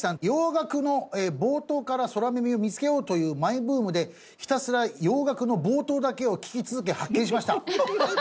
洋楽の冒頭から空耳を見つけようというマイブームでひたすら洋楽の冒頭だけを聴き続け発見しました。